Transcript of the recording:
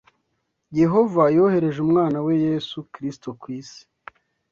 Yehova yohereje Umwana we Yesu Kristo ku isi